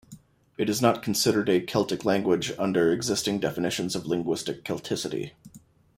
It is not considered a Celtic language under existing definitions of linguistic Celticity.